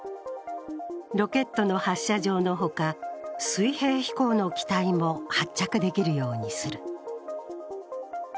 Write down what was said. ロケットの発射場の他、水平飛行の機体も発着できるようにする。